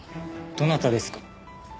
どなたですか？